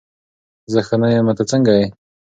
زه ښه نه یمه، ته څنګه یې؟